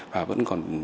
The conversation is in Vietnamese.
và vẫn còn